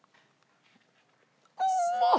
うまっ！